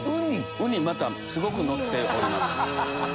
ウニすごくのっております。